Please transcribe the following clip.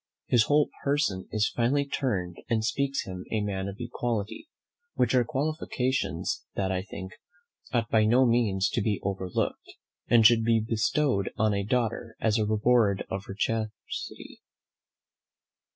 His whole person is finely turned, and speaks him a man of quality; which are qualifications that, I think, ought by no means to be overlooked, and should be bestowed on a daughter as the reward of her chastity."